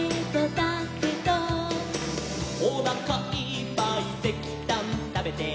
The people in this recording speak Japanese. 「」「おなかいっぱいせきたんたべて」